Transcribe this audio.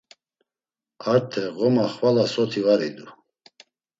Arte ğoma xvala soti var idu.